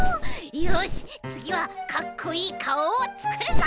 よしつぎはかっこいいかおをつくるぞ！